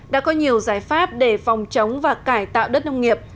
đã có nhiều giải pháp để phòng chống và cải tạo đất nông nghiệp